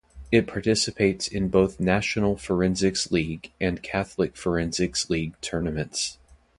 It participates in both National Forensics League and Catholic Forensics League tournaments.